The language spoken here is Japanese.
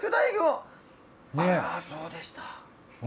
あそうでした。